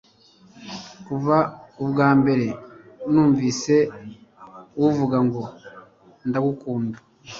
kuva ubwambere numvise uvuga ngo 'ndagukunda